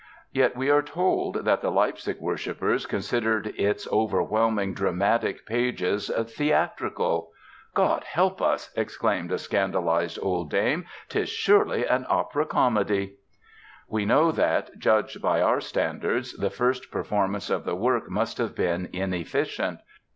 Yet we are told that the Leipzig worshipers considered its overwhelming dramatic pages "theatrical." "God help us," exclaimed a scandalized old dame, "'tis surely an opera comedy!" We know that, judged by our standards, the first performance of the work must have been inefficient.